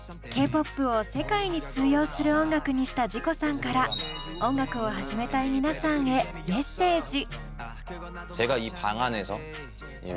ＫーＰＯＰを世界に通用する音楽にしたＺＩＣＯさんから音楽を始めたい皆さんへメッセージ。